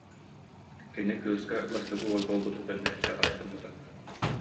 Кини кыыска бастакы уол буолбутуттан өссө астыммыта